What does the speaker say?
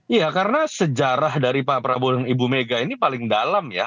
iya karena sejarah dari pak prabowo dan ibu mega ini paling dalam ya